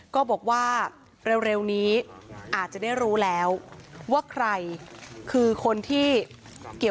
ก็บอกว่าเร็วนี้อาจจะได้รู้แล้วว่าใครคือคนที่เกี่ยว